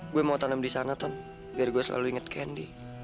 gue mau tanam disana ton biar gue selalu inget candy